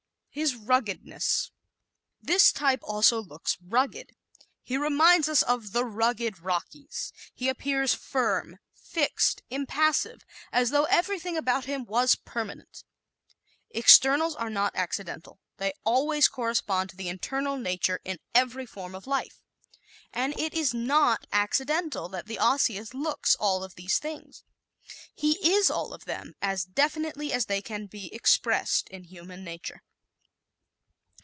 His Ruggedness ¶ This type also looks rugged. He reminds us of "the rugged Rockies." He appears firm, fixed, impassive as though everything about him was permanent. Externals are not accidental; they always correspond to the internal nature in every form of life. And it is not accidental that the Osseous looks all of these things. He is all of them as definitely as they can be expressed in human nature.